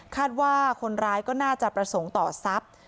คาดว่าคนร้ายก็น่าจะประสงค์ต่อทรัพย์